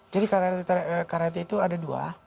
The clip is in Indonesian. jadi karate itu ada dua